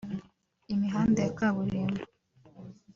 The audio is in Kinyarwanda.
Imihanda ya kaburimbo